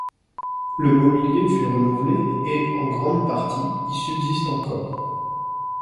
Le mobilier fut renouvelé et, en grande partie, y subsiste encore.